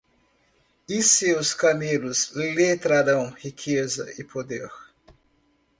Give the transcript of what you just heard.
E seus camelos lhe trarão riqueza e poder.